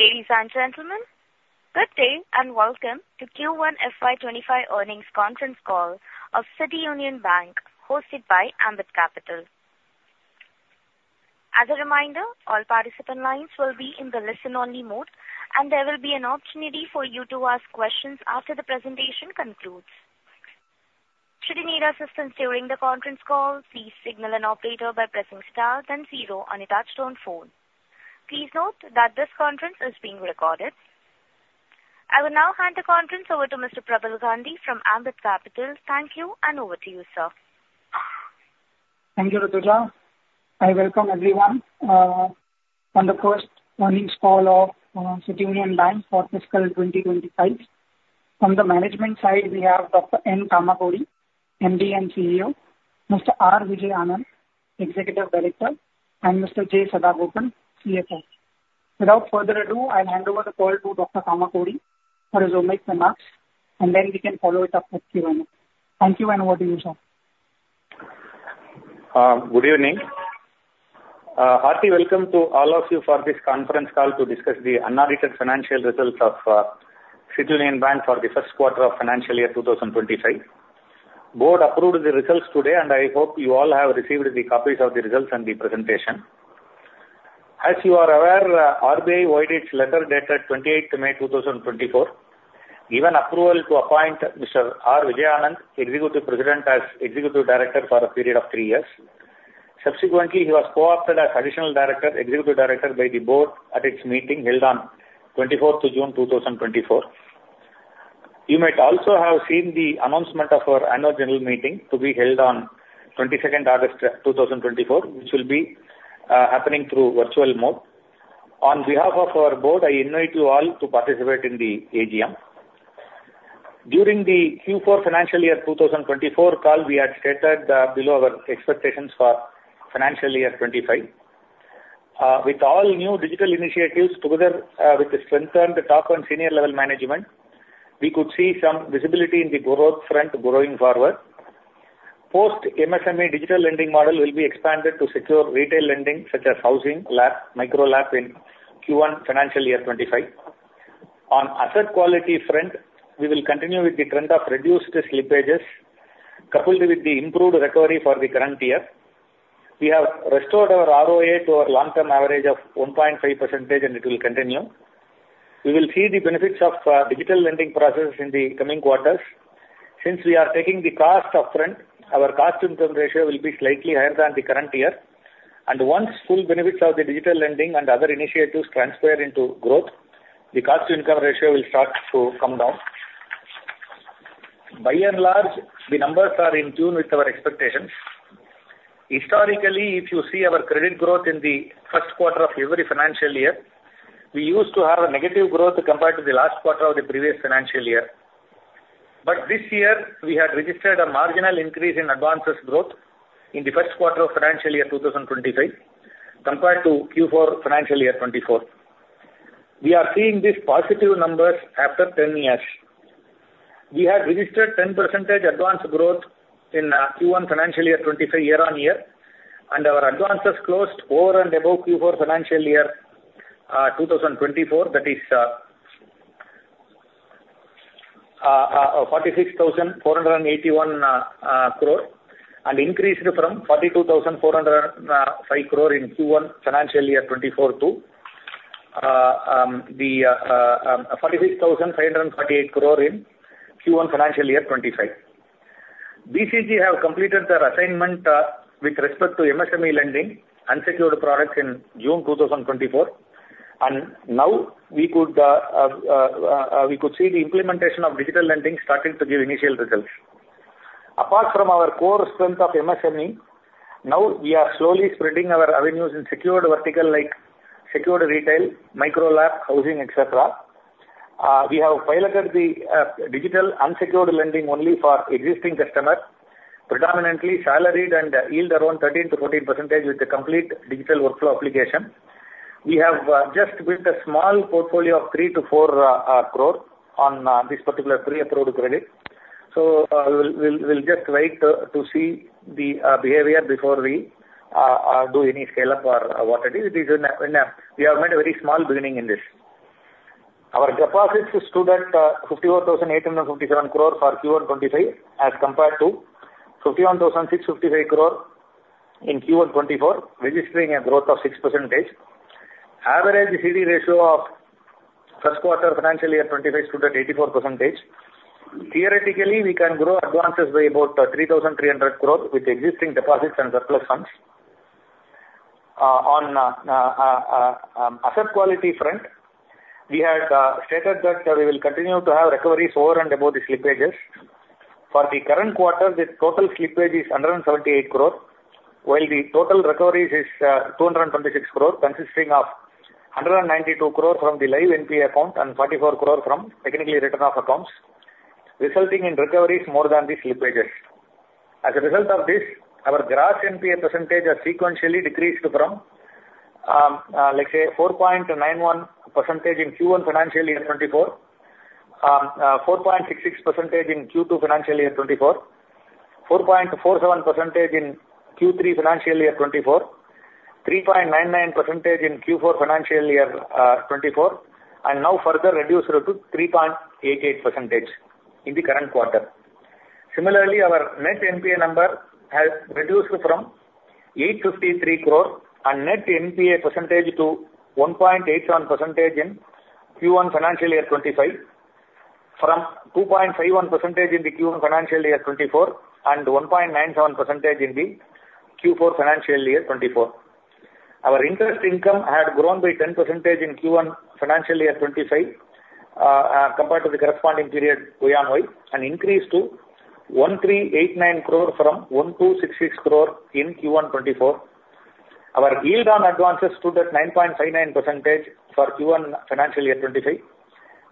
Ladies and gentlemen, good day, and welcome to Q1 FY25 Earnings Conference Call of City Union Bank, hosted by Ambit Capital. As a reminder, all participant lines will be in the listen-only mode, and there will be an opportunity for you to ask questions after the presentation concludes. Should you need assistance during the conference call, please signal an operator by pressing star then zero on your touchtone phone. Please note that this conference is being recorded. I will now hand the conference over to Mr. Prabal Gandhi from Ambit Capital. Thank you, and over to you, sir. Thank you, Rituja. I welcome everyone on the First Earnings Call of City Union Bank for Fiscal 2025. From the management side, we have Dr. N. Kamakodi, MD and CEO, Mr. R. Vijay Anand, Executive Director, and Mr. J. Sadagopan, CFO. Without further ado, I'll hand over the call to Dr. Kamakodi for his opening remarks, and then we can follow it up with Q&A. Thank you, and over to you, sir. Good evening. Hearty welcome to all of you for this conference call to discuss the unaudited financial results of City Union Bank for The First Quarter of Financial Year 2025. Board approved the results today, and I hope you all have received the copies of the results and the presentation. As you are aware, RBI wide its letter dated 28th May 2024, given approval to appoint Mr. R. Vijay Anand, Executive President, as Executive Director for a period of three years. Subsequently, he was co-opted as Additional Director, Executive Director by the board at its meeting held on 24th of June 2024. You might also have seen the announcement of our annual general meeting to be held on 22nd August 2024, which will be happening through virtual mode. On behalf of our board, I invite you all to participate in the AGM. During the Q4 financial year 2024 call, we had stated, below our expectations for financial year 25. With all new digital initiatives together, with the strengthened top and senior level management, we could see some visibility in the growth front growing forward. Post MSME digital lending model will be expanded to secure retail lending, such as housing LAP, micro LAP in Q1 financial year 25. On asset quality front, we will continue with the trend of reduced slippages, coupled with the improved recovery for the current year. We have restored our ROA to our long-term average of 1.5%, and it will continue. We will see the benefits of, digital lending process in the coming quarters. Since we are taking the cost up front, our cost-to-income ratio will be slightly higher than the current year, and once full benefits of the digital lending and other initiatives transfer into growth, the cost-to-income ratio will start to come down. By and large, the numbers are in tune with our expectations. Historically, if you see our credit growth in the first quarter of every financial year, we used to have a negative growth compared to the last quarter of the previous financial year. But this year, we had registered a marginal increase in advances growth in the first quarter of financial year 2025 compared to Q4 financial year 2024. We are seeing these positive numbers after 10 years. We have registered 10% advance growth in Q1 financial year 2025 year-on-year, and our advances closed over and above Q4 financial year 2024. That is, 46,481 crore, and increased from 42,405 crore in Q1 financial year 2024 to the 46,548 crore in Q1 financial year 2025. BCG have completed their assignment with respect to MSME lending unsecured products in June 2024, and now we could see the implementation of digital lending starting to give initial results. Apart from our core strength of MSME, now we are slowly spreading our avenues in secured vertical, like secured retail, micro LAP, housing, et cetera. We have piloted the digital unsecured lending only for existing customer, predominantly salaried and yield around 13%-14% with the complete digital workflow application. We have just built a small portfolio of 3-4 crore on this particular pre-approved credit. So, we'll, we'll, we'll just wait to see the behavior before we do any scale-up or what it is. It is in a, in a... We have made a very small beginning in this. Our deposits stood at 54,857 crore for Q1 2025, as compared to 51,655 crore in Q1 2024, registering a growth of 6%. Average CD ratio of first quarter financial year 2025 stood at 84%. Theoretically, we can grow advances by about 3,300 crore with existing deposits and surplus funds. On asset quality front, we had stated that we will continue to have recoveries over and above the slippages. For the current quarter, the total slippage is 178 crore, while the total recoveries is two hundred and twenty-six crore, consisting of 192 crore from the live NPA account and 44 crore from technically written-off accounts, resulting in recoveries more than the slippages. As a result of this, our gross NPA percentage has sequentially decreased from, let's say, 4.91% in Q1 financial year 2024, 4.66% in Q2 financial year 2024, 4.47% in Q3 financial year 2024, 3.99% in Q4 financial year 2024, and now further reduced to 3.88% in the current quarter. Similarly, our net NPA number has reduced from 853 crore and net NPA percentage to 1.87% in Q1 financial year 25, from 2.51% in the Q1 financial year 2024, and 1.97% in the Q4 financial year 2024. Our interest income had grown by 10% in Q1 financial year 25, compared to the corresponding period Y-on-Y, and increased to 1,389 crore from 1,266 crore in Q1 2024. Our yield on advances stood at 9.59% for Q1 financial year 25,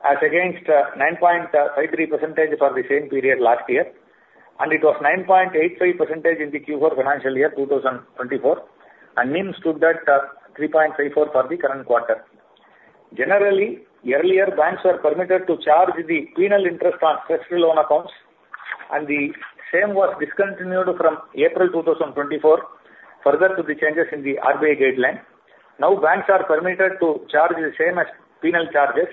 as against, 9.53% for the same period last year, and it was 9.85% in the Q4 financial year 2024, and NIMs stood at, 3.54% for the current quarter. Generally, earlier banks were permitted to charge the penal interest on term loan accounts, and the same was discontinued from April 2024. Further to the changes in the RBI guideline, now banks are permitted to charge the same as penal charges.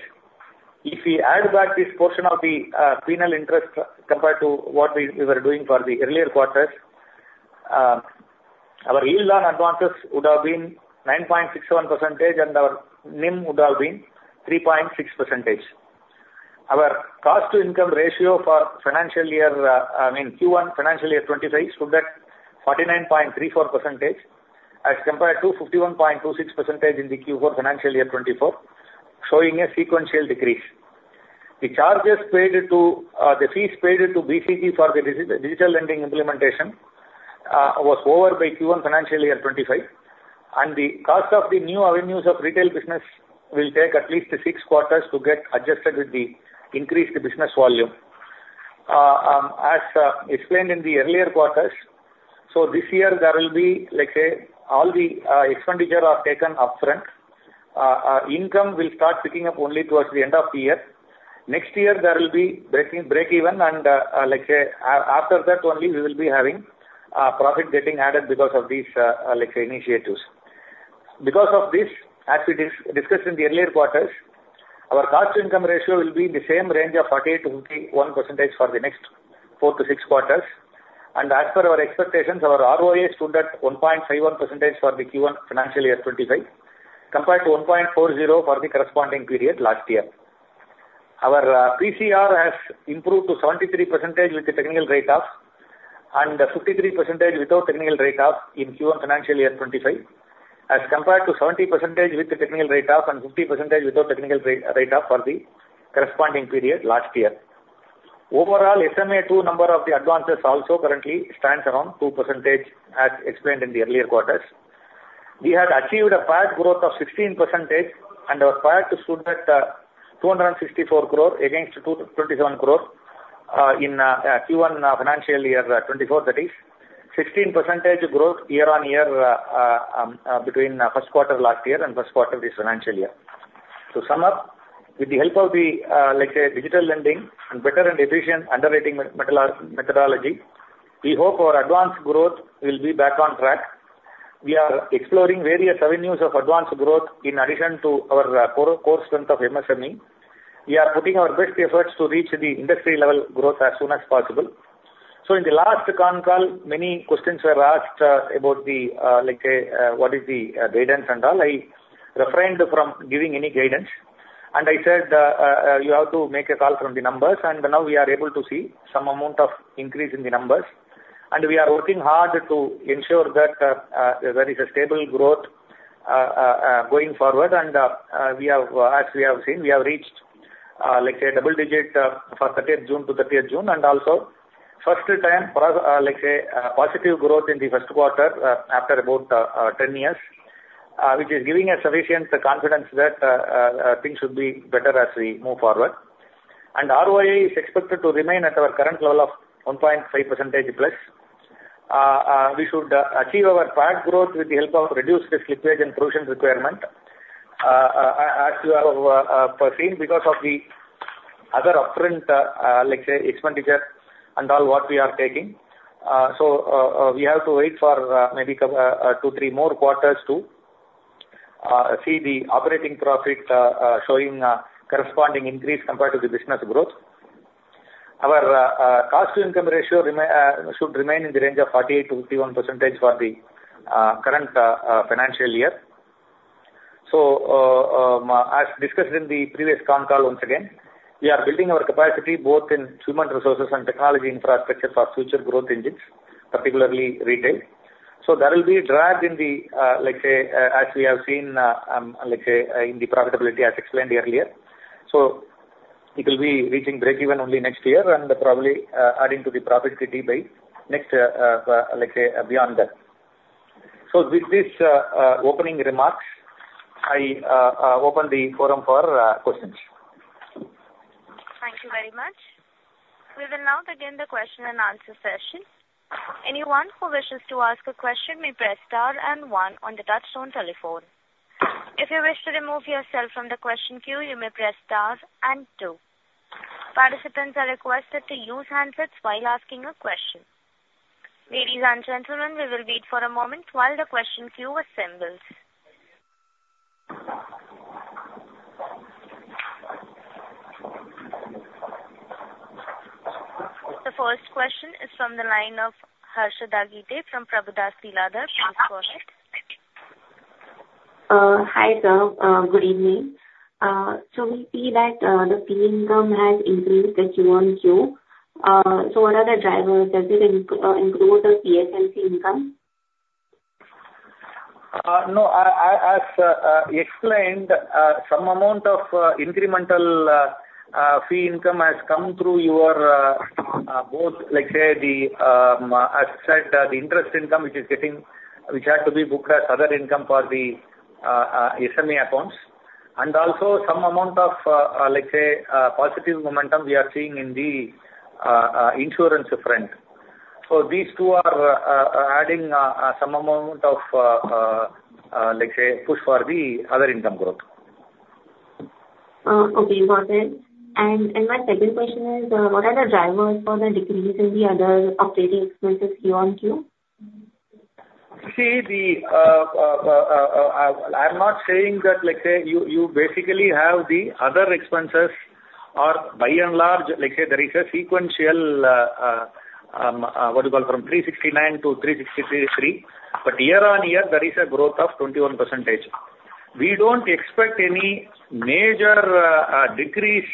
If we add back this portion of the penal interest compared to what we were doing for the earlier quarters, our yield on advances would have been 9.61%, and our NIM would have been 3.6%. Our cost to income ratio for financial year, I mean, Q1 financial year 2025, stood at 49.34%, as compared to 51.26% in the Q4 financial year 2024, showing a sequential decrease. The charges paid to the fees paid to BCG for the digital lending implementation was over by Q1 FY25, and the cost of the new avenues of retail business will take at least six quarters to get adjusted with the increased business volume. As explained in the earlier quarters, so this year there will be, let's say, all the expenditure are taken upfront. Income will start picking up only towards the end of the year. Next year there will be break even, and, like, after that only we will be having profit getting added because of these, like, initiatives. Because of this, as we discussed in the earlier quarters, our cost to income ratio will be in the same range of 48%-51% for the next 4-6 quarters. As per our expectations, our ROA stood at 1.51% for the Q1 financial year 2025, compared to 1.40% for the corresponding period last year. Our PCR has improved to 73% with the technical write-off and 53% without technical write-off in Q1 financial year 2025, as compared to 70% with the technical write-off and 50% without technical write-off for the corresponding period last year. Overall, SMA 2 number of the advances also currently stands around 2%, as explained in the earlier quarters. We have achieved a PAT growth of 16%, and our PAT stood at 264 crore against 227 crore in Q1 financial year 2024. That is 16% growth year-on-year between first quarter last year and first quarter this financial year. To sum up, with the help of the, like, say, digital lending and better and efficient underwriting methodology, we hope our advance growth will be back on track. We are exploring various avenues of advance growth in addition to our core, core strength of MSME. We are putting our best efforts to reach the industry level growth as soon as possible. So in the last con call, many questions were asked, about the, like, what is the, guidance and all. I refrained from giving any guidance, and I said, you have to make a call from the numbers, and now we are able to see some amount of increase in the numbers, and we are working hard to ensure that, there is a stable growth, going forward. We have, as we have seen, we have reached, like say, double-digit for 30th June to 30th June, and also first time for us, like a positive growth in the first quarter, after about 10 years, which is giving us sufficient confidence that things should be better as we move forward. ROE is expected to remain at our current level of 1.5%+. We should achieve our PAT growth with the help of reduced slippage and provision requirement. As you have perceived, because of the other upfront, like, say, expenditure and all, what we are taking, so, we have to wait for, maybe, two, three more quarters to see the operating profit, showing a corresponding increase compared to the business growth. Our cost to income ratio should remain in the range of 48%-51% for the current financial year. So, as discussed in the previous con call, once again, we are building our capacity both in human resources and technology infrastructure for future growth engines, particularly retail. So there will be a drag in the, like, say, as we have seen, like, say, in the profitability, as explained earlier. So it will be reaching break even only next year and probably adding to the profitability by next, like, say, beyond that. So with this opening remarks, I open the forum for questions. Thank you very much.... We will now begin the question-and-answer session. Anyone who wishes to ask a question may press star and one on the touchtone telephone. If you wish to remove yourself from the question queue, you may press star and two. Participants are requested to use handsets while asking a question. Ladies and gentlemen, we will wait for a moment while the question queue assembles. The first question is from the line of Harshada Gite from Prabhudas Lilladher. Please go ahead. Hi, sir. Good evening. So we see that the fee income has increased the Q-on-Q. So what are the drivers? Does it improve the PSLC income? No, I, as explained, some amount of incremental fee income has come through your both, let's say, the asset, the interest income, which had to be booked as other income for the SME accounts, and also some amount of, let's say, positive momentum we are seeing in the insurance front. So these two are adding some amount of, let's say, push for the other income growth. Okay, got it. And my second question is, what are the drivers for the decrease in the other operating expenses Q-on-Q? See, I'm not saying that. Let's say, you basically have the other expenses are by and large. Let's say, there is a sequential, what you call, from 369-363. But year-on-year, there is a growth of 21%. We don't expect any major decrease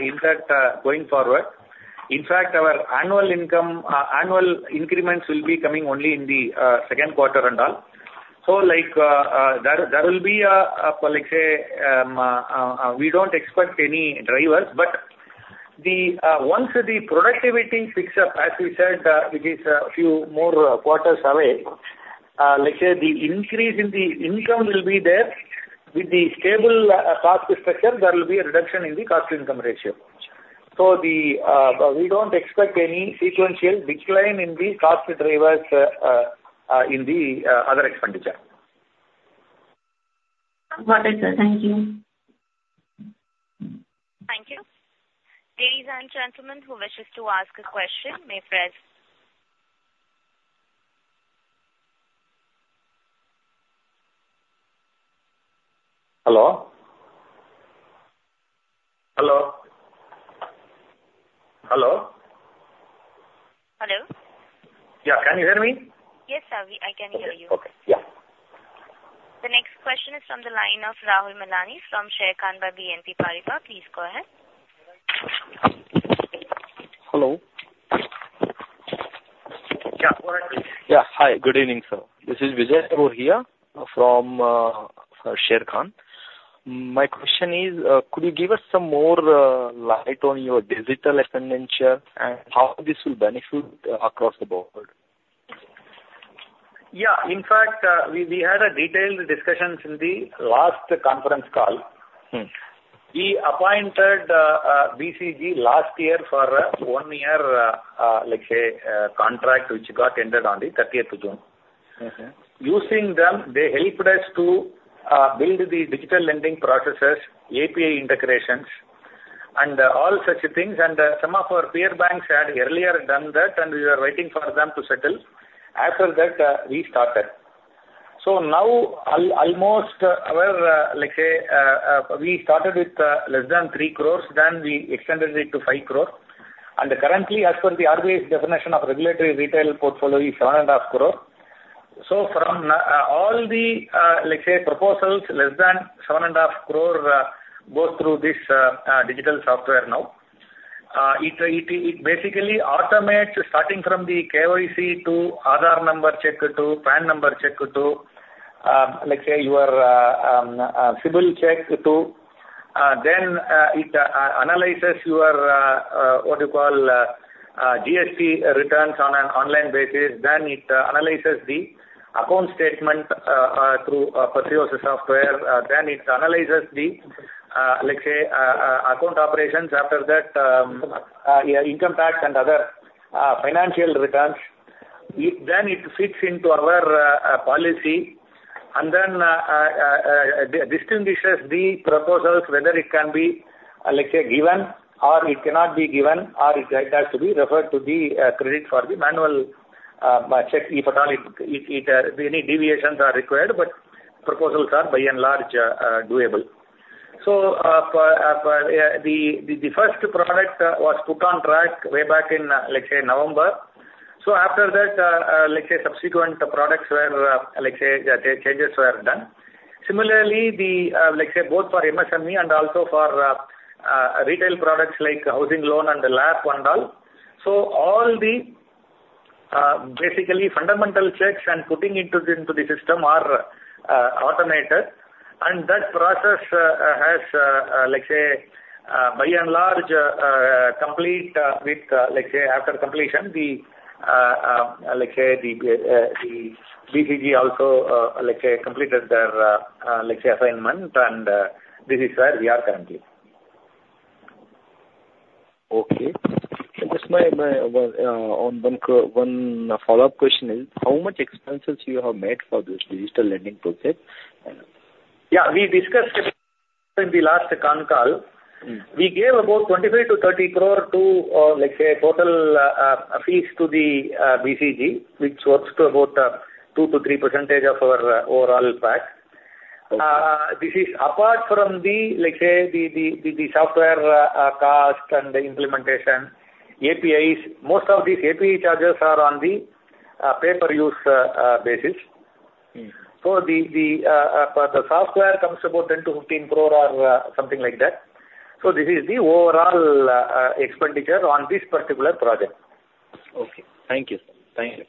in that going forward. In fact, our annual income annual increments will be coming only in the second quarter and all. So, like, there will be a, let's say, we don't expect any drivers, but the once the productivity picks up, as we said, which is a few more quarters away, let's say, the increase in the income will be there. With the stable cost structure, there will be a reduction in the cost-to-income ratio. So we don't expect any sequential decline in the cost drivers, in the other expenditure. Got it, sir. Thank you. Thank you. Ladies and gentlemen, who wishes to ask a question may press. Hello? Hello? Hello. Hello. Yeah, can you hear me? Yes, sir, I can hear you. Okay. Yeah. The next question is from the line of Rahul Malani from Sharekhan BNP Paribas. Please go ahead. Hello. Yeah. Yeah, hi. Good evening, sir. This is Vijay Purohit from Sharekhan. My question is, could you give us some more light on your digital expenditure and how this will benefit across the board? Yeah. In fact, we had a detailed discussions in the last conference call. Mm-hmm. We appointed BCG last year for one year, let's say, contract, which got ended on the thirtieth June. Mm-hmm. Using them, they helped us to build the digital lending processes, API integrations, and all such things. Some of our peer banks had earlier done that, and we were waiting for them to settle. After that, we started. So now, almost our, let's say, we started with less than 3 crore, then we extended it to 5 crore. And currently, as per the RBI's definition of regulatory retail portfolio, is 7.5 crore. So from all the, let's say, proposals, less than 7.5 crore go through this digital software now. It basically automates starting from the KYC to Aadhaar number check, to PAN number check, to, let's say, your CIBIL check too. Then it analyzes your what you call GST returns on an online basis. Then it analyzes the account statement through Perfios software. Then it analyzes the, let's say, account operations, after that, your income tax and other financial returns. It then fits into our policy, and then distinguishes the proposals, whether it can be, let's say, given or it cannot be given, or it has to be referred to the credit for the manual check, if at all, it any deviations are required, but proposals are by and large doable. So, the first product was put on track way back in, let's say, November. So after that, let's say, subsequent products were, let's say, changes were done. Similarly, let's say, both for MSME and also for retail products like housing loan and the LAP and all. So all the basically fundamental checks and putting into the system are automated. And that process has, let's say, by and large complete, with, let's say, after completion, the BCG also completed their assignment, and this is where we are currently. Okay. Just my one follow-up question is: How much expenses you have made for this digital lending project? And- Yeah, we discussed it in the last con call. Mm. We gave about 25-30 crore to, like a total, fees to the BCG, which works to about 2%-3% of our overall fact. Okay. This is apart from the, like say, the software cost and the implementation, APIs. Most of these API charges are on the pay-per-use basis. Mm. So the for the software comes about 10-15 crore or something like that. So this is the overall expenditure on this particular project. Okay. Thank you. Thank you.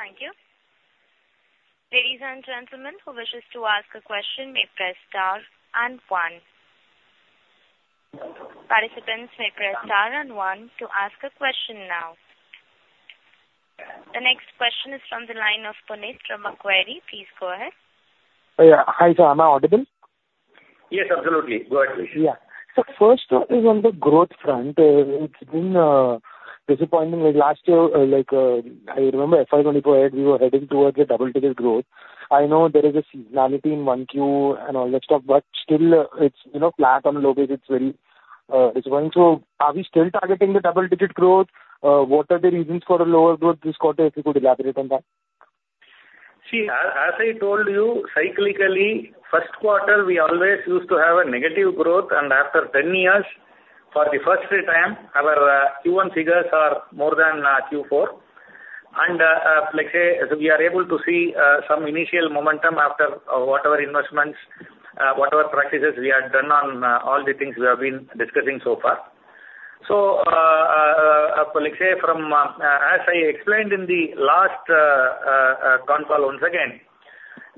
Thank you. Ladies and gentlemen, who wishes to ask a question may press star and one. Participants may press star and one to ask a question now. The next question is from the line of Punit from Macquarie. Please go ahead. Yeah. Hi, sir. Am I audible? Yes, absolutely. Go ahead, please. Yeah. So first one is on the growth front. It's been disappointing. Like last year, like, I remember FY 2024, we were heading towards a double-digit growth. I know there is a seasonality in 1Q and all that stuff, but still, it's, you know, flat on low base, it's very disappointing. So are we still targeting the double-digit growth? What are the reasons for a lower growth this quarter? If you could elaborate on that. See, as I told you, cyclically, first quarter, we always used to have a negative growth, and after 10 years, for the first time, our Q1 figures are more than Q4. And, like say, we are able to see some initial momentum after whatever investments, whatever practices we have done on all the things we have been discussing so far. So, like say, from as I explained in the last con call once again,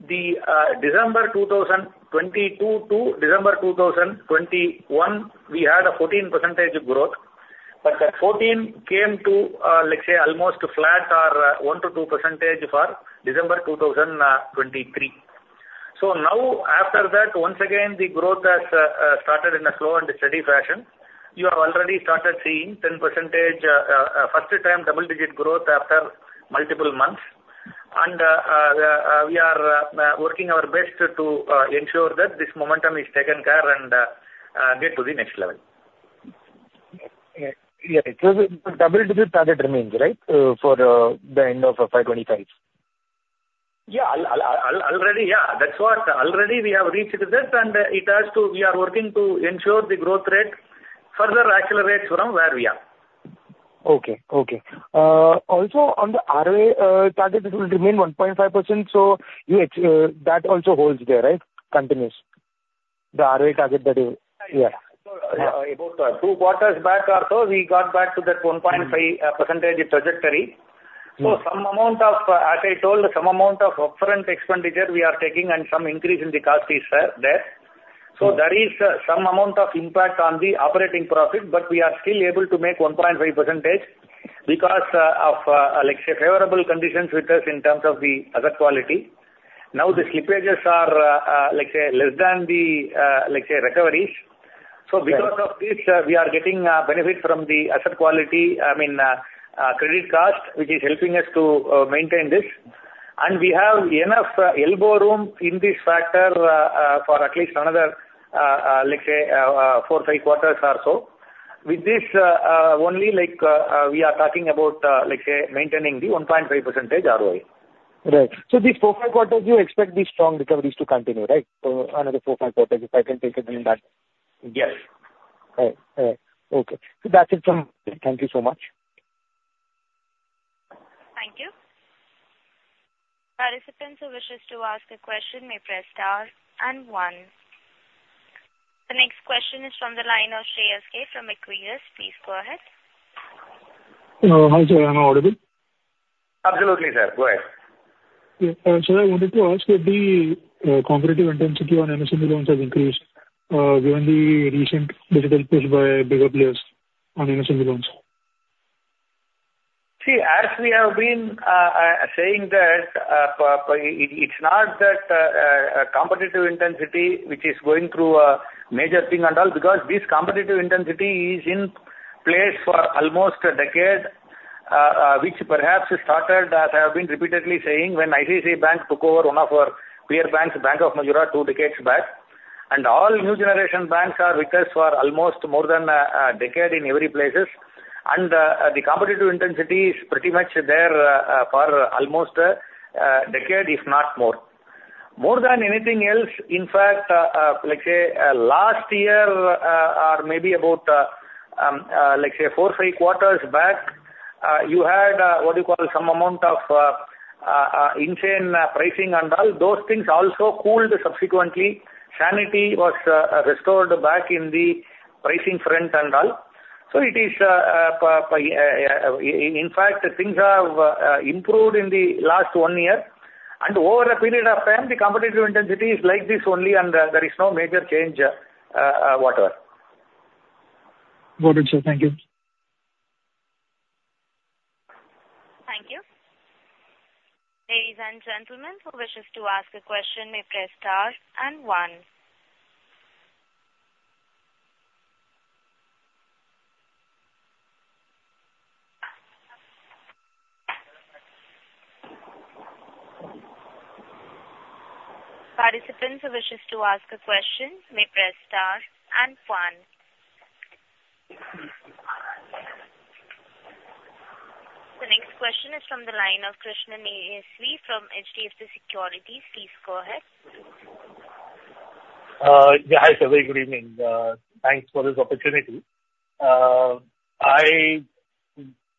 the December 2022 to December 2021, we had a 14% growth. But that fourteen came to, let's say almost flat or 1%-2% for December 2023. So now, after that, once again, the growth has started in a slow and steady fashion. You have already started seeing 10%, first time double-digit growth after multiple months. And we are working our best to ensure that this momentum is taken care and get to the next level. Yeah. Yeah, so the double-digit target remains, right, for the end of FY 25? Yeah. Already, yeah, that's what. Already we have reached that, and it has to... We are working to ensure the growth rate further accelerates from where we are. Okay, okay. Also on the ROA target, it will remain 1.5%, so it, that also holds there, right? Continues, the ROE target that is- Yeah. Yeah. About two quarters back or so, we got back to that 1.5- Mm. percentage trajectory. Mm. So some amount of, as I told, some amount of upfront expenditure we are taking and some increase in the cost is there. Mm. So there is some amount of impact on the operating profit, but we are still able to make 1.5% because of like say favorable conditions with us in terms of the asset quality. Now, the slippages are, let's say, less than the, let's say, recoveries. Right. So because of this, we are getting benefit from the asset quality, I mean, credit cost, which is helping us to maintain this. And we have enough elbow room in this factor for at least another, let's say, 4, 5 quarters or so. With this, only like, we are talking about, let's say, maintaining the 1.5% ROE. Right. So these 4-5 quarters, you expect the strong recoveries to continue, right? Another 4-5 quarters, if I can take it in that? Yes. Right. Okay. So that's it from me. Thank you so much. Thank you. Participants who wishes to ask a question may press Star and one. The next question is from the line of Shreyas K from Equirus Securities. Please go ahead. Hi, sir. Am I audible? Absolutely, sir. Go ahead. Yeah. Sir, I wanted to ask if the competitive intensity on SME loans has increased, given the recent digital push by bigger players on SME loans? See, as we have been saying that, it's not that competitive intensity, which is going through a major thing and all, because this competitive intensity is in place for almost a decade, which perhaps started, as I have been repeatedly saying, when ICICI Bank took over one of our peer banks, Bank of Madura, two decades back. All new generation banks are with us for almost more than a decade in every places. The competitive intensity is pretty much there, for almost a decade, if not more. More than anything else, in fact, let's say, last year, or maybe about, let's say four, five quarters back, you had, what you call, some amount of, insane pricing and all. Those things also cooled subsequently. Sanity was restored back in the pricing front and all. So it is, in fact, things have improved in the last one year... and over a period of time, the competitive intensity is like this only, and there is no major change, whatever. Got it, sir. Thank you. Thank you. Ladies and gentlemen, who wishes to ask a question may press star and one. Participant who wishes to ask a question may press star and one. The next question is from the line of Krishnan A.S.V. from HDFC Securities, please go ahead. Yeah, hi, sir, good evening. Thanks for this opportunity.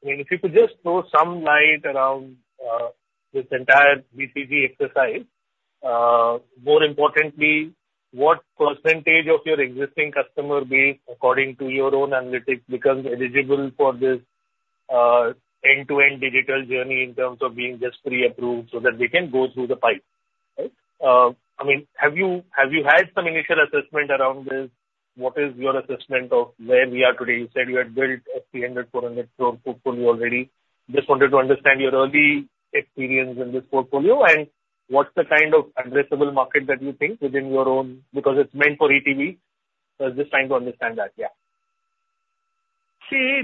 If you could just throw some light around this entire BCG exercise. More importantly, what percentage of your existing customer base, according to your own analytics, becomes eligible for this end-to-end digital journey in terms of being just pre-approved so that they can go through the pipe, right? I mean, have you had some initial assessment around this? What is your assessment of where we are today? You said you had built a 300-400 crore portfolio already. Just wanted to understand your early experience in this portfolio and what's the kind of addressable market that you think within your own, because it's meant for ETB. So I was just trying to understand that, yeah. See,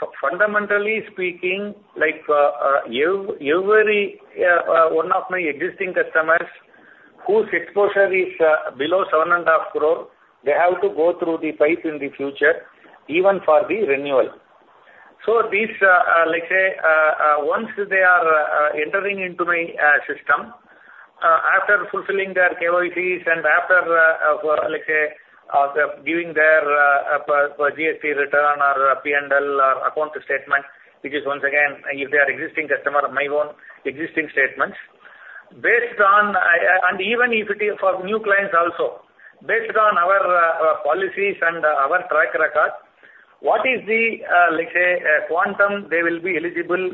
so fundamentally speaking, like, every one of my existing customers whose exposure is below 7.5 crore, they have to go through the pipe in the future, even for the renewal. So this, let's say, once they are entering into my system, after fulfilling their KYCs and after, let's say, giving their GST return or P&L or account statement, which is once again, if they are existing customer, my own existing statements. Based on... And even if it is for new clients also, based on our policies and our track record, what is the, let's say, quantum they will be eligible,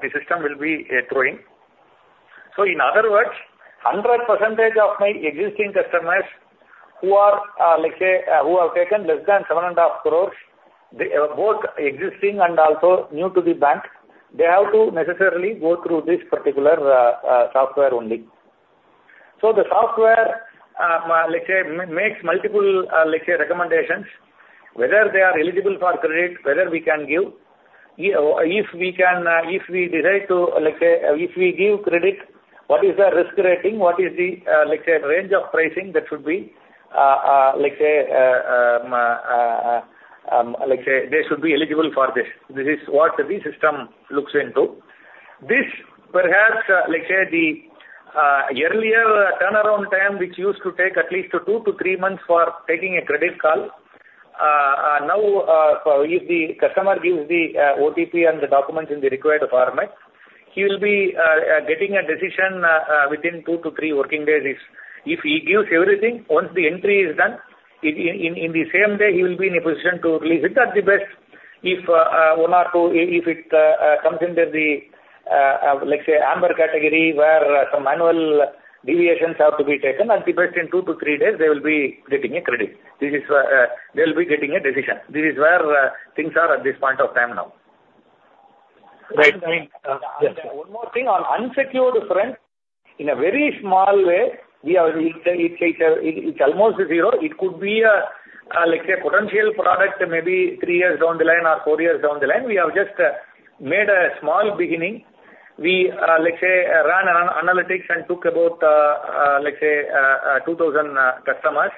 the system will be throwing. So in other words, 100% of my existing customers who are, let's say, who have taken less than 7.5 crore, they, both existing and also new to the bank, they have to necessarily go through this particular, software only. So the software, let's say, makes multiple, let's say, recommendations, whether they are eligible for credit, whether we can give. If, if we can, if we decide to, let's say, if we give credit, what is the risk rating? What is the, let's say, range of pricing that should be, let's say, they should be eligible for this. This is what the system looks into. This perhaps, let's say the earlier turnaround time, which used to take at least two to three months for taking a credit call, now, if the customer gives the OTP and the documents in the required format, he will be getting a decision within two to three working days. If he gives everything, once the entry is done, in the same day, he will be in a position to release it at the best. If one or two, if it comes under the, let's say, amber category, where some manual deviations have to be taken, at the best in two to three days, they will be getting a credit. This is, they will be getting a decision. This is where things are at this point of time now. Right. Yes. One more thing, on unsecured front, in a very small way, we are. It's almost zero. It could be like a potential product, maybe three years down the line or four years down the line. We have just made a small beginning. We, let's say, ran an analytics and took about, let's say, 2,000 customers.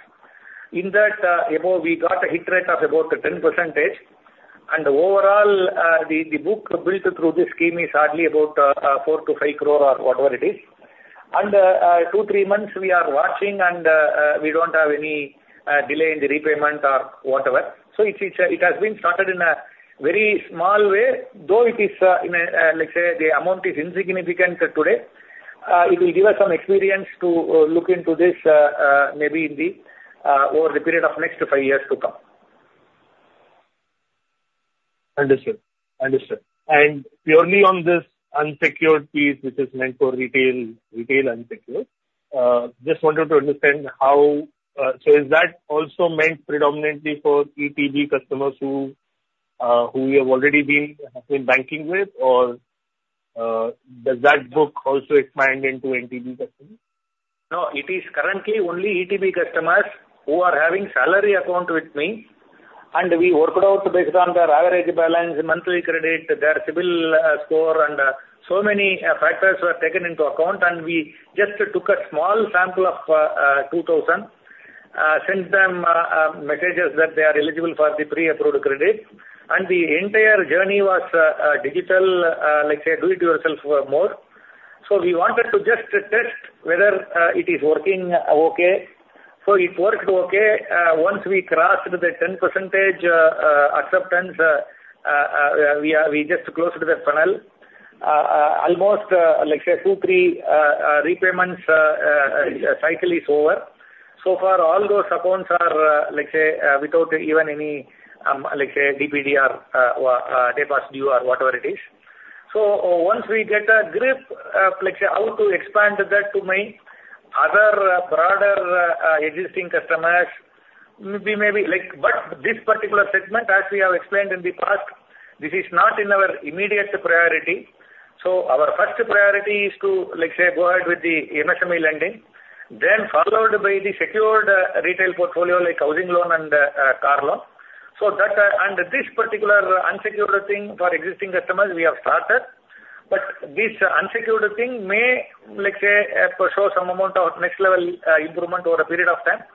In that, we got a hit rate of about 10%, and overall, the book built through this scheme is hardly about 4 crore-5 crore or whatever it is. And two to three months, we are watching, and we don't have any delay in the repayment or whatever. So it has been started in a very small way, though it is, let's say, the amount is insignificant today. It will give us some experience to look into this, maybe over the period of next five years to come. Understood. Understood. And purely on this unsecured piece, which is meant for retail, retail unsecured, just wanted to understand how, so is that also meant predominantly for ETB customers who we have already been banking with? Or, does that book also expand into NTB customers? No, it is currently only ETB customers who are having salary account with me, and we worked out based on their average balance, monthly credit, their CIBIL score, and so many factors were taken into account, and we just took a small sample of 2,000, sent them messages that they are eligible for the pre-approved credit. And the entire journey was digital, let's say, do it yourself more. So we wanted to just test whether it is working okay. So it worked okay. Once we crossed the 10%, we are- we just closed the funnel. Almost, let's say 2-3 repayments cycle is over. So far, all those accounts are, let's say, without even any, let's say, DPD or days past due or whatever it is. So once we get a grip, like, how to expand that to my other broader, existing customers, we maybe like. But this particular segment, as we have explained in the past, this is not in our immediate priority. So our first priority is to, like say, go ahead with the MSME lending, then followed by the secured retail portfolio, like housing loan and car loan. So that, and this particular unsecured thing for existing customers we have started, but this unsecured thing may, let's say, show some amount of next level, improvement over a period of time,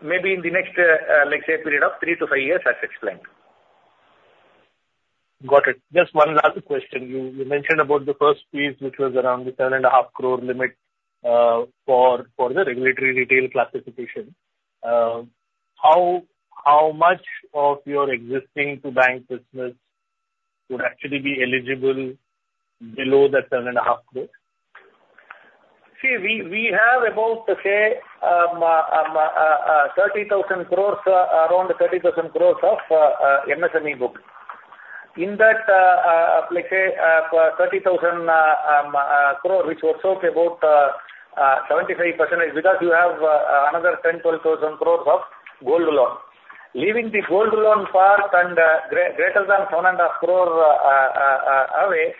maybe in the next, let's say a period of three to five years, as explained. Got it. Just one last question. You mentioned about the first piece, which was around the 10.5 crore limit, for the regulatory retail classification. How much of your existing to bank business would actually be eligible below the 10.5 crore? See, we have about, say, 30,000 crore, around 30,000 crore of MSME book. In that, like say, 30,000 crore, which works out about 75%, because you have another 10,000-12,000 crore of gold loan. Leaving the gold loan part and greater than 10.5 crore away,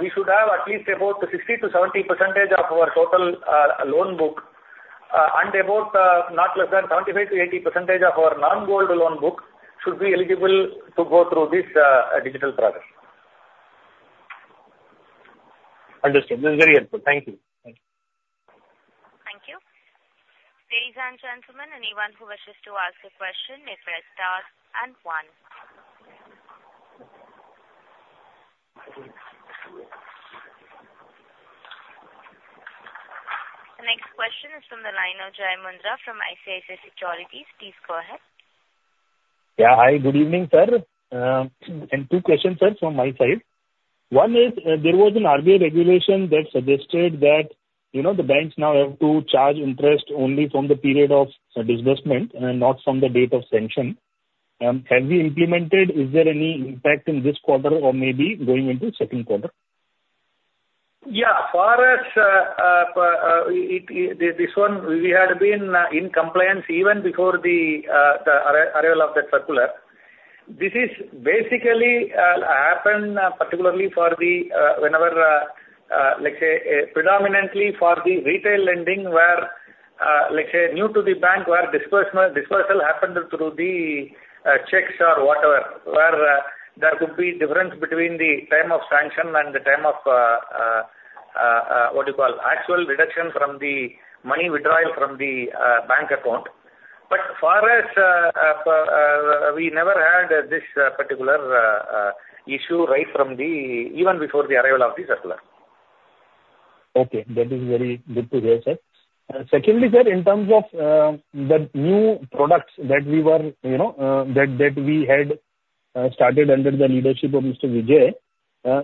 we should have at least about 60%-70% of our total loan book, and about not less than 75%-80% of our non-gold loan book should be eligible to go through this digital process. Understood. This is very helpful. Thank you. Thank you. Thank you. Ladies and gentlemen, anyone who wishes to ask a question, may press star and one. The next question is from the line of Jai Mundhra from ICICI Securities. Please go ahead. Yeah. Hi, good evening, sir. Two questions, sir, from my side. One is, there was an RBI regulation that suggested that, you know, the banks now have to charge interest only from the period of disbursement and not from the date of sanction. Have we implemented? Is there any impact in this quarter or maybe going into second quarter? Yeah, for us, it, it, this one, we had been in compliance even before the arrival of the circular. This is basically happened, particularly for the, whenever, let's say, predominantly for the retail lending where, let's say new to the bank, where dispersal, dispersal happened through the checks or whatever, where there could be difference between the time of sanction and the time of, what you call, actual deduction from the money withdrawal from the bank account. But for us, we never had this particular issue right from the... even before the arrival of the circular. Okay. That is very good to hear, sir. Secondly, sir, in terms of the new products that we were, you know, that we had started under the leadership of Mr. Vijay,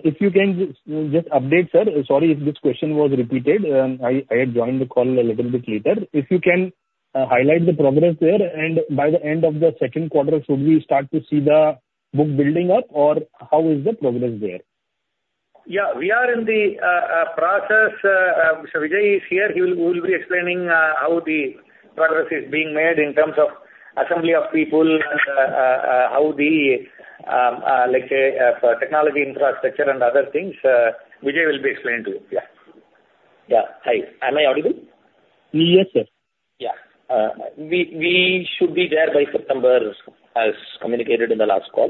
if you can just update, sir. Sorry if this question was repeated. I had joined the call a little bit later. If you can highlight the progress there, and by the end of the second quarter, should we start to see the book building up, or how is the progress there? Yeah, we are in the process. Mr. Vijay is here. He will be explaining how the progress is being made in terms of assembly of people and how the, let's say, technology infrastructure and other things. Vijay will be explaining to you. Yeah. Yeah. Hi. Am I audible? Yes, sir. Yeah. We should be there by September, as communicated in the last call.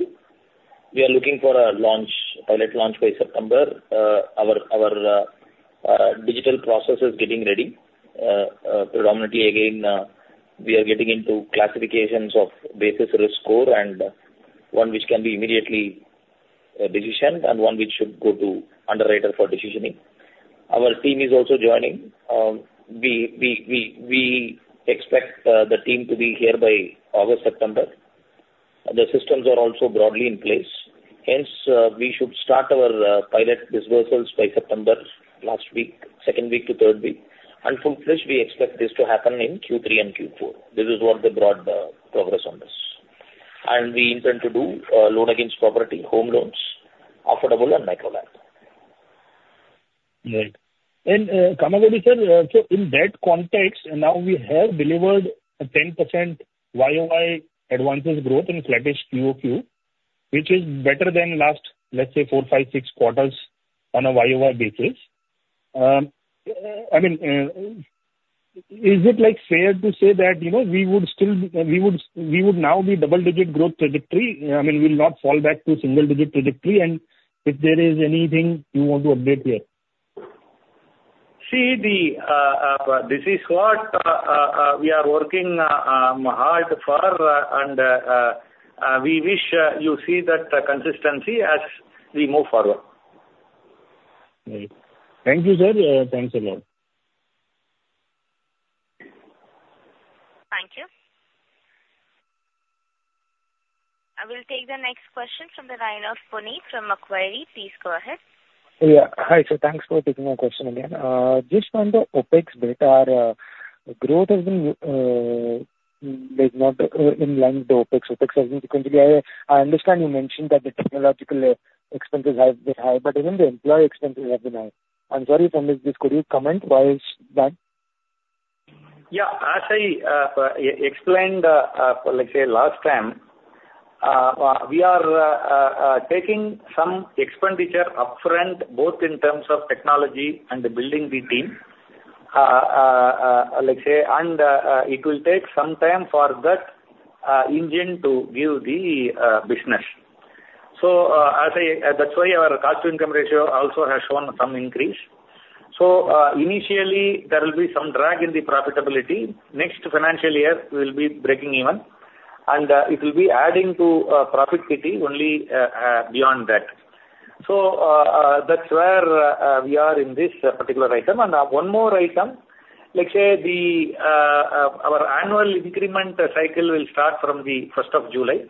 We are looking for a launch, pilot launch by September. Our digital process is getting ready. Predominantly, again, we are getting into classifications of basis risk score and one which can be immediately decision and one which should go to underwriter for decisioning. Our team is also joining. We expect the team to be here by August, September. The systems are also broadly in place. Hence, we should start our pilot disbursements by September, last week, second week to third week. And full-fledged, we expect this to happen in Q3 and Q4. This is what the broad progress on this. And we intend to do loan against property, home loans, affordable and micro loan. Right. And, Kamakodi sir, so in that context, now we have delivered a 10% YOY advances growth in flattest QOQ, which is better than last, let's say, four, five, six quarters on a YOY basis. I mean, is it, like, fair to say that, you know, we would still, we would, we would now be double-digit growth trajectory? I mean, we'll not fall back to single digit trajectory. And if there is anything you want to update here. See, this is what we are working hard for, and we wish you see that consistency as we move forward. Right. Thank you, sir. Thanks a lot. Thank you.... I will take the next question from the line of Punit from Macquarie. Please go ahead. Yeah. Hi, sir. Thanks for taking my question again. Just on the OpEx bit, our growth has been like not in line with the OpEx. OpEx has been sequentially. I understand you mentioned that the technological expenses have been high, but even the employee expenses have been high. I'm sorry if I missed this. Could you comment why is that? Yeah. As I explained, let's say, last time, we are taking some expenditure upfront, both in terms of technology and building the team. Let's say, and it will take some time for that engine to give the business. So, as I... that's why our cost-to-income ratio also has shown some increase. So, initially, there will be some drag in the profitability. Next financial year, we will be breaking even, and it will be adding to profitability only beyond that. So, that's where we are in this particular item. And one more item, let's say, our annual increment cycle will start from the first of July.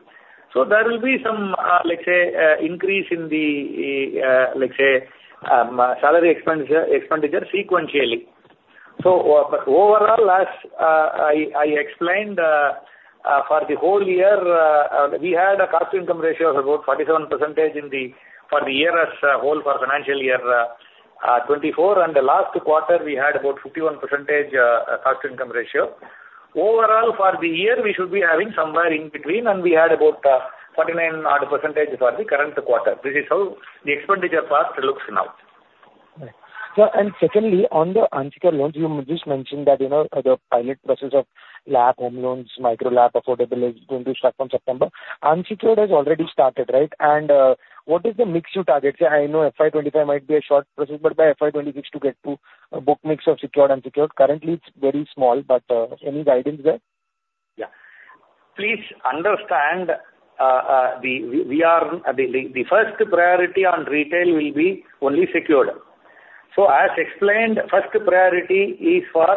So there will be some, let's say, increase in the, let's say, salary expenditure, expenditure sequentially. So overall, as I explained, for the whole year, we had a cost-income ratio of about 47% in the, for the year as a whole, for financial year 2024, and the last quarter, we had about 51% cost-income ratio. Overall, for the year, we should be having somewhere in between, and we had about 49 odd % for the current quarter. This is how the expenditure part looks now. Right. Sir, and secondly, on the unsecured loans, you just mentioned that, you know, the pilot process of LAP home loans, micro LAP affordable is going to start from September. Unsecured has already started, right? And, what is the mix you target? I know FY 2025 might be a short process, but by FY 2026 to get to a book mix of secured, unsecured. Currently, it's very small, but, any guidance there? Yeah. Please understand, the first priority on retail will be only secured. So as explained, first priority is for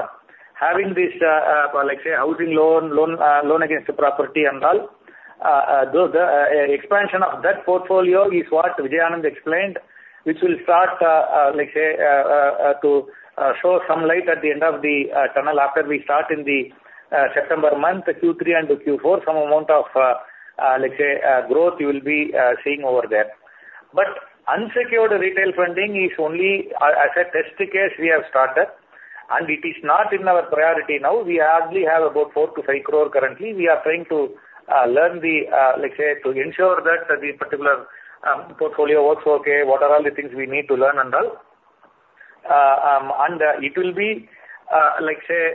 having this, let's say, housing loan, loan against the property and all. The expansion of that portfolio is what Vijay Anand explained, which will start, let's say, to show some light at the end of the tunnel after we start in the September month, Q3 and Q4, some amount of, let's say, growth you will be seeing over there. But unsecured retail funding is only a test case we have started, and it is not in our priority now. We hardly have about 4-5 crore currently. We are trying to learn the, let's say, to ensure that the particular portfolio works okay, what are all the things we need to learn and all. And it will be, like say,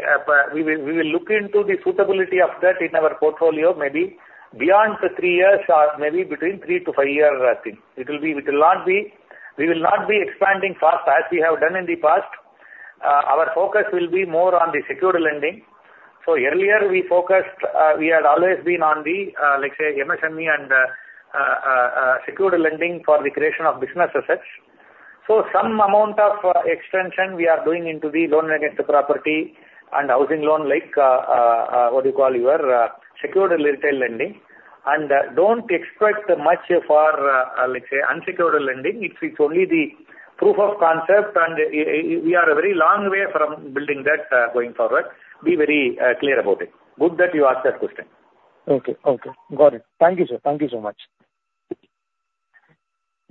we will, we will look into the suitability of that in our portfolio, maybe beyond three years or maybe between three to five year thing. It will be, it will not be... we will not be expanding fast as we have done in the past. Our focus will be more on the secured lending. So earlier, we focused, we had always been on the, let's say, MSME and secured lending for the creation of businesses such. So some amount of extension we are doing into the loan against the property and housing loan, like what you call your secured retail lending. And don't expect much for, let's say, unsecured lending. It's only the proof of concept, and we are a very long way from building that going forward. Be very clear about it. Good that you asked that question. Okay. Okay, got it. Thank you, sir. Thank you so much.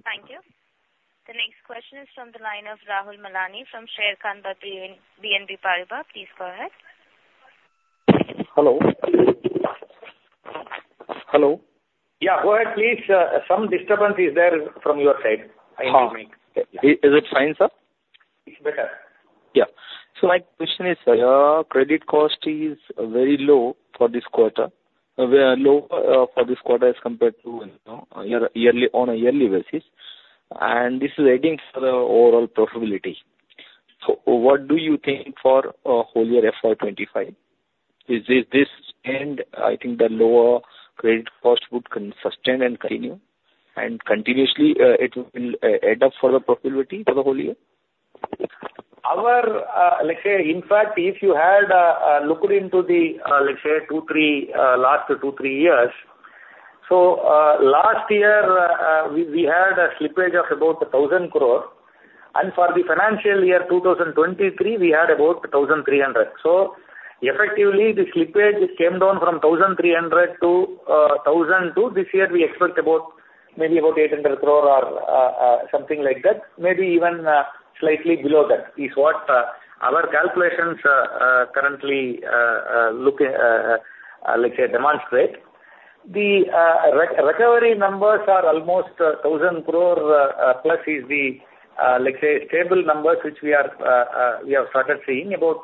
Thank you. The next question is from the line of Rahul Malani from Sharekhan BNP Paribas. Please go ahead. Hello? Hello. Yeah, go ahead, please. Some disturbance is there from your side. Is it fine, sir? It's better. Yeah. So my question is, credit cost is very low for this quarter, low, for this quarter as compared to, you know, yearly, on a yearly basis, and this is adding for the overall profitability. So what do you think for, whole year FY 25? Is this, this, and I think the lower credit cost would sustain and continue, and continuously, it will, add up for the profitability for the whole year? Our, like I say, in fact, if you had looked into the, let's say, two, three last two, three years, so, last year, we, we had a slippage of about 1,000 crore, and for the financial year 2023, we had about 1,300. So effectively, the slippage came down from 1,300-1,200. This year, we expect about, maybe about 800 crore or, something like that, maybe even, slightly below that, is what, our calculations, look, let's say demonstrate. The recovery numbers are almost 1,000 crore plus is the, let's say, stable numbers, which we are, we have started seeing about,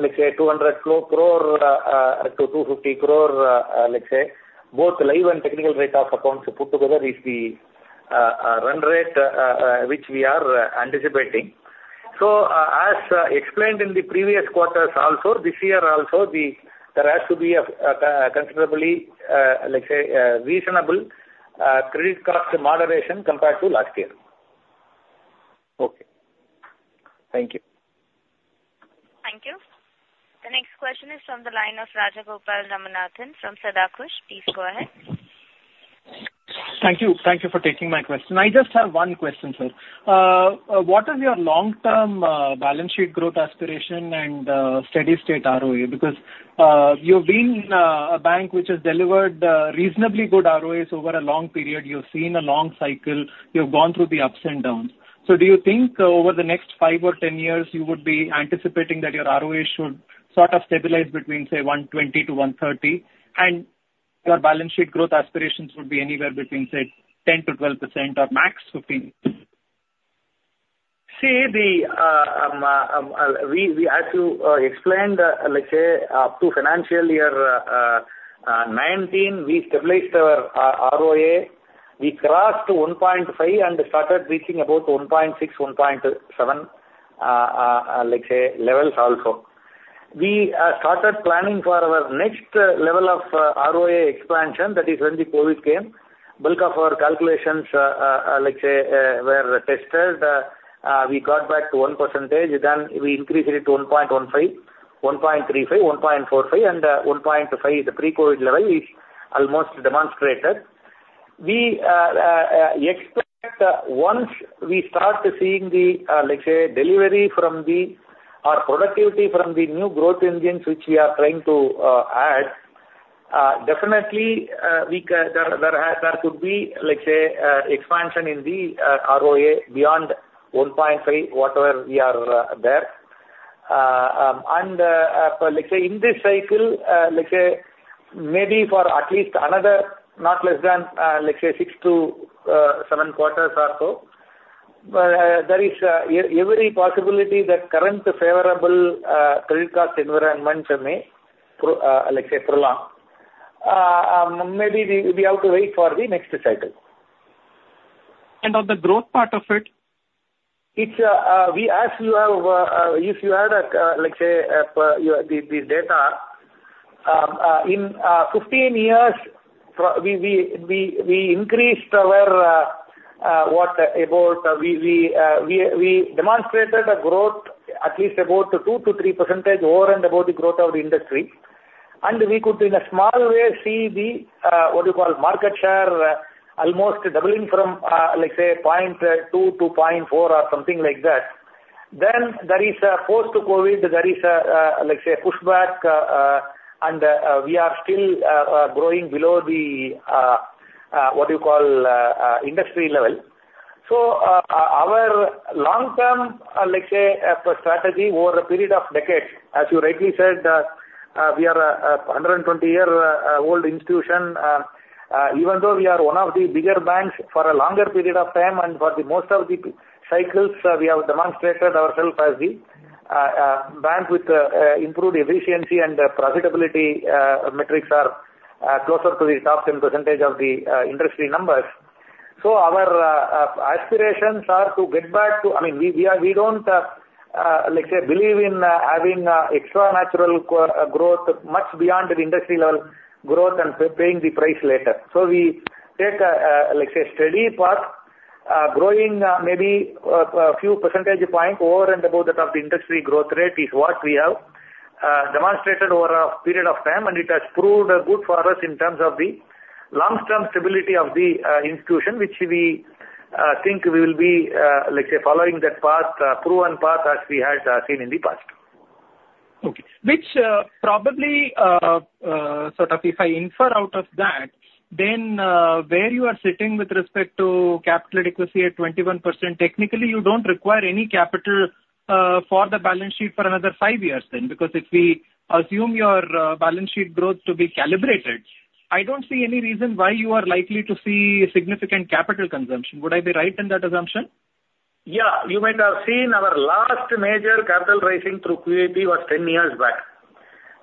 let's say 200 crore-250 crore, let's say, both live and technical rate of accounts put together is the run rate which we are anticipating. So, as explained in the previous quarters also, this year also, there has to be a considerably, let's say, reasonable credit cost moderation compared to last year. Okay. Thank you.... The next question is from the line of Rajagopal Ramanathan from Sundaram Mutual Fund. Please go ahead. Thank you. Thank you for taking my question. I just have one question, sir. What is your long-term, balance sheet growth aspiration and, steady state ROA? Because, you've been, a bank which has delivered, reasonably good ROAs over a long period. You've seen a long cycle, you've gone through the ups and downs. So do you think over the next five or 10 years, you would be anticipating that your ROA should sort of stabilize between, say, 1.20-1.30, and your balance sheet growth aspirations would be anywhere between, say, 10%-12% or max 15%? See, we, as you explained, let's say, up to financial year 2019, we stabilized our ROA. We crossed 1.5 and started reaching about 1.6, 1.7, let's say, levels also. We started planning for our next level of ROA expansion, that is when the COVID came. Bulk of our calculations, let's say, were tested. We got back to 1%, then we increased it to 1.15, 1.35, 1.45, and 1.5, the pre-COVID level is almost demonstrated. We expect that once we start seeing the, let's say, delivery from the or productivity from the new growth engines, which we are trying to add, definitely, we can. There could be, let's say, expansion in the ROA beyond 1.5, whatever we are there. And, let's say, in this cycle, let's say, maybe for at least another, not less than, let's say, six to seven quarters or so, there is every possibility that current favorable credit cost environment may, let's say, prolong. Maybe we have to wait for the next cycle. On the growth part of it? It's, as you have, if you add, let's say, the data in 15 years, we demonstrated a growth at least about 2-3% over and above the growth of the industry. And we could, in a small way, see the, what you call, market share, almost doubling from, let's say, 0.2-0.4 or something like that. Then there is a post-COVID, there is a, let's say, a pushback, and we are still growing below the, what you call, industry level. So, our long-term, let's say, strategy over a period of decades, as you rightly said, we are a 120-year-old institution. Even though we are one of the bigger banks for a longer period of time, and for the most of the business cycles, we have demonstrated ourselves as the bank with improved efficiency and profitability metrics closer to the top 10% of the industry numbers. So our aspirations are to get back to... I mean, we don't, let's say, believe in having unnatural growth much beyond the industry level growth and paying the price later. So we take a, let's say, steady path, growing, maybe, a few percentage points over and above that of the industry growth rate is what we have demonstrated over a period of time, and it has proved good for us in terms of the long-term stability of the institution, which we think we will be, let's say, following that path, proven path as we had seen in the past. Okay. Which, probably, sort of if I infer out of that, then, where you are sitting with respect to capital adequacy at 21%, technically, you don't require any capital, for the balance sheet for another five years then. Because if we assume your, balance sheet growth to be calibrated, I don't see any reason why you are likely to see significant capital consumption. Would I be right in that assumption? Yeah, you might have seen our last major capital raising through QIP was 10 years back.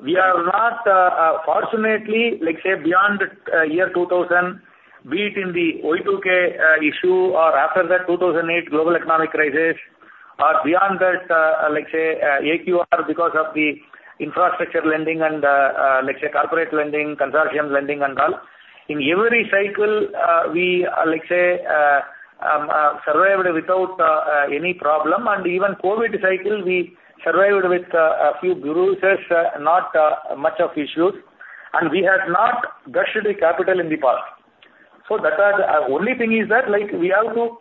We are not, fortunately, let's say, beyond, year 2000, be it in the Y2K, issue, or after that 2008 global economic crisis, or beyond that, let's say, AQR because of the infrastructure lending and, let's say, corporate lending, consortium lending, and all. In every cycle, we, let's say, survived without, any problem. And even COVID cycle, we survived with, a few bruises, not, much of issues, and we have not rushed the capital in the past. So that are the, only thing is that, like, we have to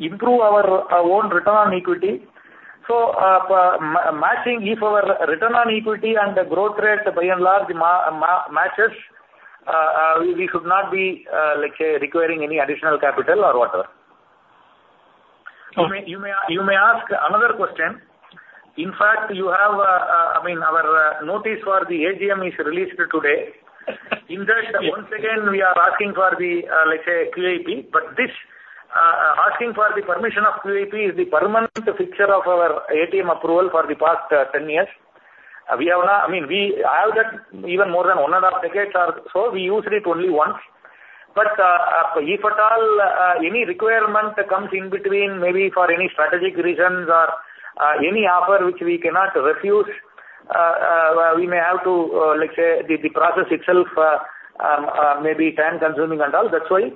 improve our, our own return on equity. Matching if our return on equity and the growth rate, by and large, matches, we should not be, let's say, requiring any additional capital or whatever. Okay. You may, you may, you may ask another question. In fact, you have, I mean, our notice for the AGM is released today. In that, once again, we are asking for the, let's say, QIP, but this asking for the permission of QIP is the permanent fixture of our AGM approval for the past 10 years. We have not—I mean, we have that even more than one and a half decades or so, we used it only once. But, if at all, any requirement comes in between, maybe for any strategic reasons or, any offer which we cannot refuse, we may have to, let's say, the process itself may be time-consuming and all. That's why-...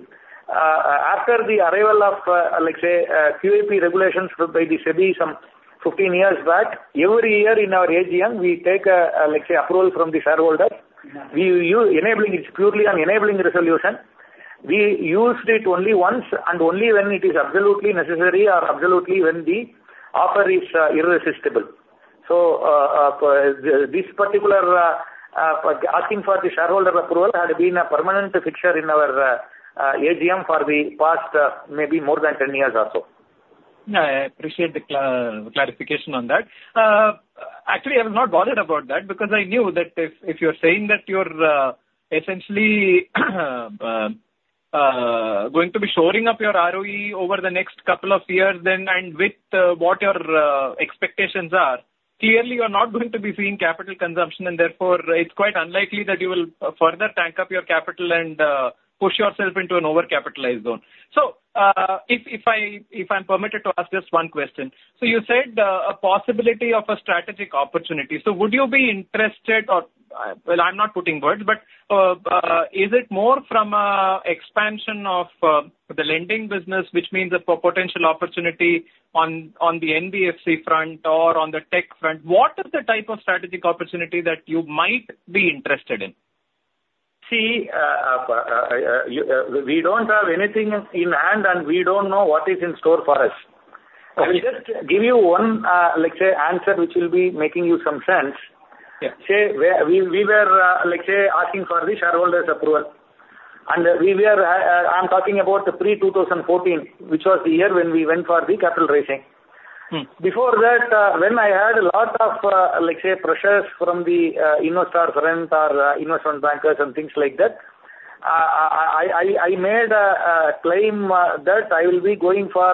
After the arrival of, like, say, QIP regulations by the SEBI some 15 years back, every year in our AGM, we take, like, say, approval from the shareholder. We use enabling, it's purely an enabling resolution. We used it only once, and only when it is absolutely necessary or absolutely when the offer is, irresistible. So, the, this particular, asking for the shareholder approval had been a permanent fixture in our, AGM for the past, maybe more than 10 years or so. Yeah, I appreciate the clarification on that. Actually, I was not bothered about that, because I knew that if you're saying that you're essentially going to be shoring up your ROE over the next couple of years, then, and with what your expectations are, clearly you're not going to be seeing capital consumption, and therefore, it's quite unlikely that you will further tank up your capital and push yourself into an overcapitalized zone. So, if I'm permitted to ask just one question: So you said a possibility of a strategic opportunity. So would you be interested or... Well, I'm not putting words, but is it more from expansion of the lending business, which means a potential opportunity on the NBFC front or on the tech front? What is the type of strategic opportunity that you might be interested in? See, we don't have anything in hand, and we don't know what is in store for us. Okay. I will just give you one, let's say, answer, which will be making you some sense. Yeah. Say, where we were, let's say, asking for the shareholders' approval, and we were, I'm talking about pre-2014, which was the year when we went for the capital raising. Mm. Before that, when I had a lot of, let's say, pressures from the investors friend or investment bankers and things like that, I made a claim that I will be going for,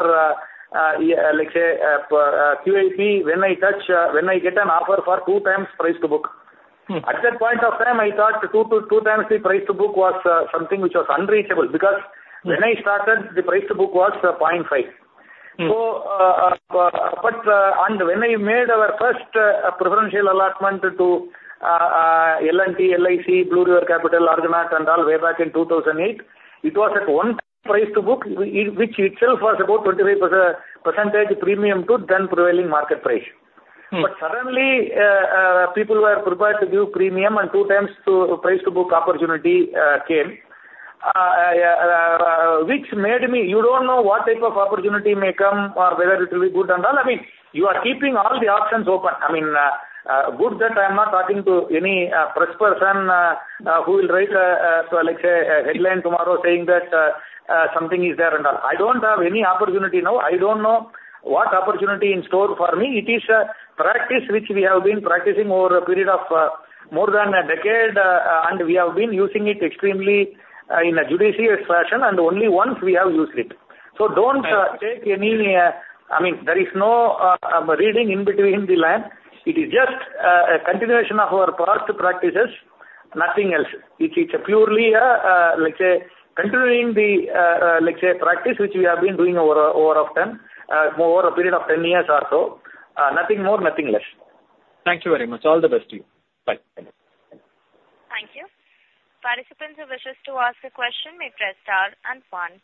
like, say, QIP, when I touch, when I get an offer for 2x price to book. Mm. At that point of time, I thought 2 to 2 times the price to book was something which was unreachable, because- Mm... when I started, the price to book was 0.5. Mm. when I made our first preferential allotment to L&T, LIC, Blue River Capital, Argonaut, and all, way back in 2008, it was at 1 price to book, which itself was about 25% premium to then prevailing market price. Mm. But suddenly, people were prepared to give premium and 2 times to price to book opportunity, came, which made me... You don't know what type of opportunity may come or whether it will be good and all. I mean, you are keeping all the options open. I mean, good that I'm not talking to any, press person, who will write, so like, say, a headline tomorrow saying that, something is there and all. I don't have any opportunity now. I don't know what opportunity in store for me. It is a practice which we have been practicing over a period of, more than a decade, and we have been using it extremely, in a judicious fashion, and only once we have used it. So don't- Right. Take any... I mean, there is no reading between the lines. It is just a continuation of our past practices, nothing else. It's purely a, let's say, continuing the, let's say, practice, which we have been doing over a, over time, over a period of 10 years or so. Nothing more, nothing less. Thank you very much. All the best to you. Bye. Thank you. Thank you. Participants who wish to ask a question may press star and one.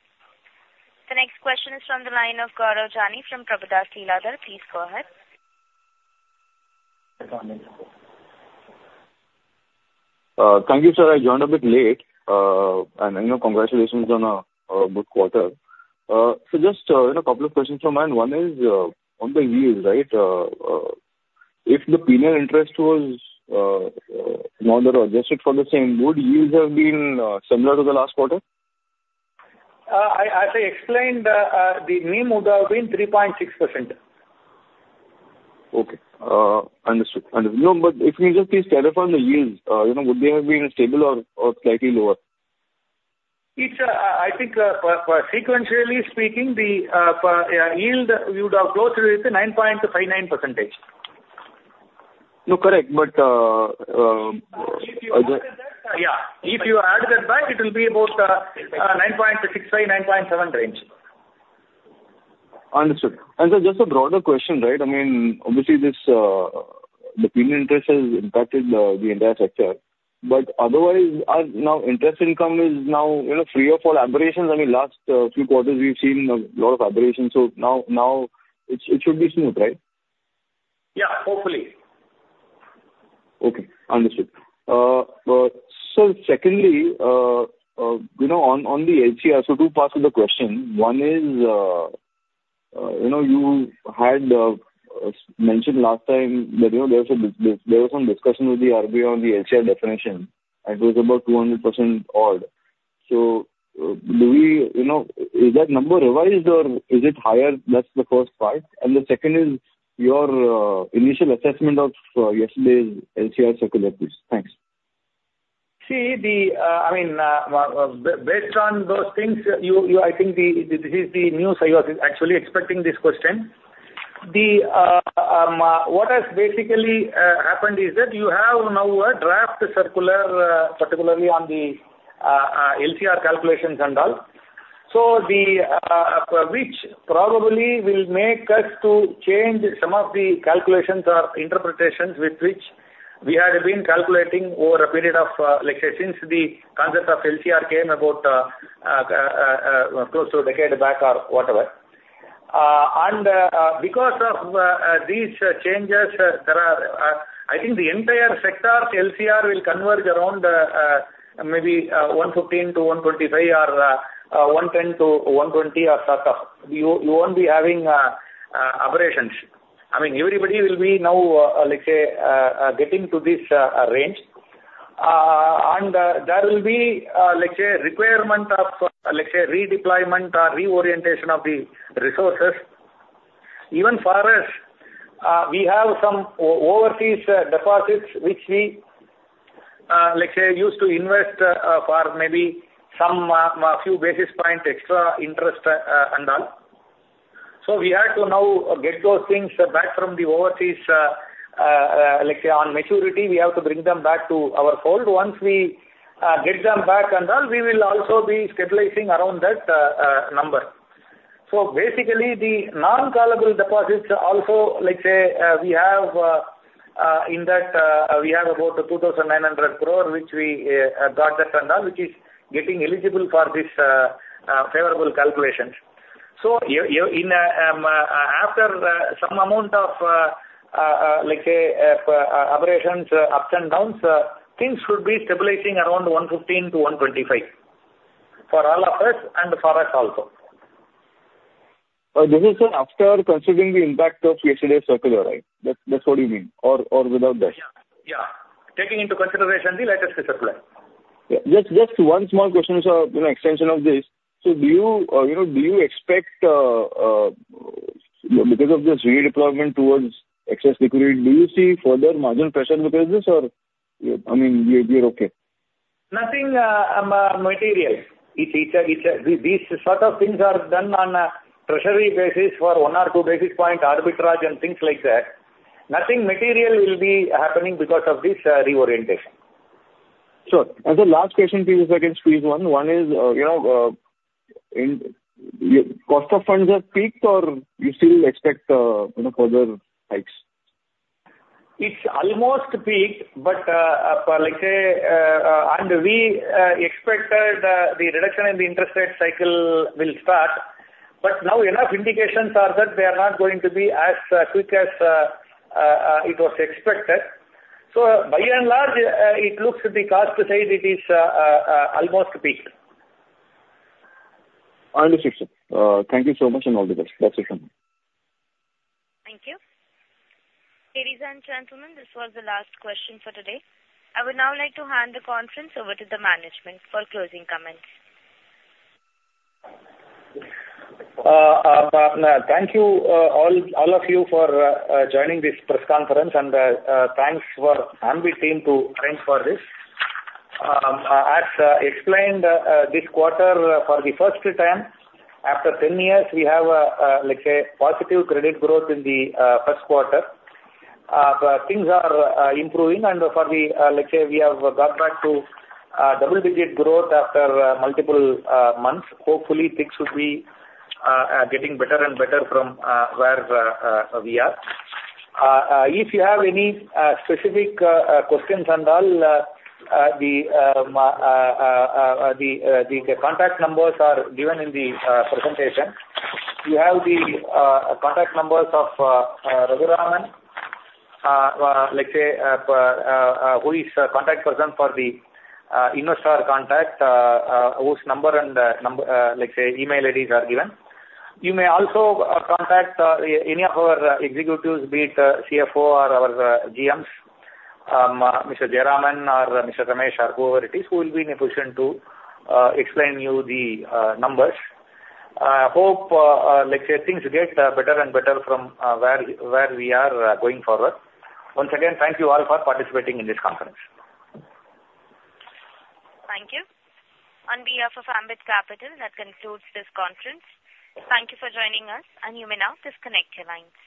The next question is from the line of Gaurav Jani from Prabhudas Lilladher. Please go ahead. Thank you, sir. I joined a bit late, and, you know, congratulations on a good quarter. So just, you know, a couple of questions from me. One is on the yields, right? If the penal interest was not adjusted for the same, would yields have been similar to the last quarter? I, as I explained, the NIM would have been 3.6%. Okay, understood. No, but if you just please clarify on the yields, you know, would they have been stable or, or slightly lower? It's, I think, for sequentially speaking, the yield we would have closed with 9.59%. No, correct, but, If you add that, yeah, if you add that back, it will be about 9.65-9.7 range. Understood. So just a broader question, right? I mean, obviously this, the penal interest has impacted the entire sector. But otherwise, interest income is now, you know, free of all aberrations? I mean, last few quarters, we've seen a lot of aberrations. So now, it should be smooth, right? Yeah, hopefully. Okay, understood. So secondly, you know, on the LCR, so two parts of the question. One is, you know, you had mentioned last time that, you know, there was some discussion with the RBI on the LCR definition, and it was about 200% odd. So, do we, you know, is that number revised or is it higher? That's the first part. And the second is your initial assessment of yesterday's LCR circular. Thanks. See, I mean, based on those things, you, I think this is the news, I was actually expecting this question. What has basically happened is that you have now a draft circular, particularly on the LCR calculations and all. So which probably will make us to change some of the calculations or interpretations with which we have been calculating over a period of, let's say, since the concept of LCR came about, close to a decade back or whatever. And these changes, there are, I think the entire sector's LCR will converge around, maybe, 115-125 or 110-120 or so up. You, you won't be having aberrations. I mean, everybody will be now, let's say, getting to this range. And, there will be, let's say, requirement of, let's say, redeployment or reorientation of the resources. Even for us, we have some overseas deposits, which we, let's say, used to invest, for maybe some few basis point extra interest, and all. So we have to now get those things back from the overseas, let's say, on maturity, we have to bring them back to our fold. Once we get them back and all, we will also be stabilizing around that number. So basically, the non-callable deposits also, let's say, we have in that, we have about 2,900 crore, which we got that and all, which is getting eligible for this favorable calculations. So in, after some amount of, let's say, aberrations, ups and downs, things should be stabilizing around 115-125 for all of us and for us also. This is after considering the impact of yesterday's circular, right? That's, that's what you mean, or, or without that? Yeah. Yeah. Taking into consideration the latest circular. Yeah. Just, just one small question, sir, you know, extension of this. So do you, you know, do you expect, because of this redeployment towards excess liquidity, do you see further margin pressure because of this, or, I mean, you're, you're okay? Nothing material. It's these sort of things are done on a treasury basis for one or two basis point arbitrage and things like that. Nothing material will be happening because of this reorientation. Sure. And the last question to you, sir, again, squeeze one. One is, you know, the cost of funds have peaked, or you still expect, you know, further hikes? It's almost peaked, but, like, say, and we expected the reduction in the interest rate cycle will start, but now enough indications are that they are not going to be as quick as it was expected. So by and large, it looks the cost side, it is almost peaked. Understood, sir. Thank you so much, and all the best. That's it. Thank you. Ladies and gentlemen, this was the last question for today. I would now like to hand the conference over to the management for closing comments. Thank you, all of you for joining this press conference, and thanks for Ambit team to arrange for this. As explained, this quarter, for the first time after 10 years, we have, let's say, positive credit growth in the first quarter. Things are improving, and for the, let's say, we have got back to double-digit growth after multiple months. Hopefully, things should be getting better and better from where we are. If you have any specific questions and all, the contact numbers are given in the presentation. You have the contact numbers of Raghuraman, let's say, who is contact person for the investor contact, whose number and let's say email IDs are given. You may also contact any of our executives, be it CFO or our GMs, Mr. Jayaraman or Mr. Ramesh, or whoever it is, who will be in a position to explain you the numbers. Hope, let's say things get better and better from where we are going forward. Once again, thank you all for participating in this conference. Thank you. On behalf of Ambit Capital, that concludes this conference. Thank you for joining us, and you may now disconnect your lines.